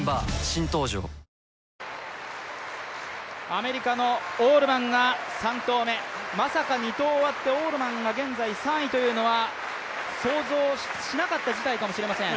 アメリカのオールマンが３投目、まさか２投終わってオールマンが現在３位というのは想像しなかった事態かもしれません。